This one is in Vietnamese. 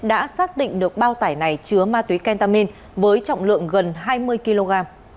đã xác định được bao tải này chứa ma túy kentamin với trọng lượng gần hai mươi kg